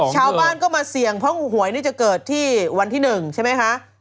ชาวบ้านก็มาเสี่ยงเพราะหวยนี่จะเกิดที่วันที่๑ใช่ไหมคะ